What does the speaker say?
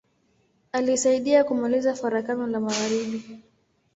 Alisaidia kumaliza Farakano la magharibi.